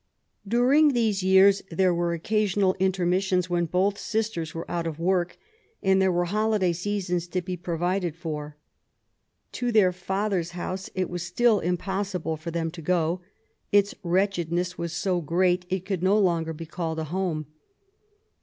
During these years there were occasional intermissions when both sisters were out of work, and there were holiday seasons to be provided for. To their f ather^s house it vras still impossible for them to go. Its wretchedness was so great, it could no longer be called a home.